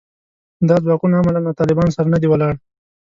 دا ځواکونه عملاً له طالبانو سره نه دي ولاړ